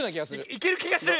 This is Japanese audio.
いけるきがする。